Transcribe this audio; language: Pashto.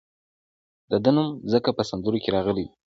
د ده نوم ځکه په سندرو کې راغلی دی.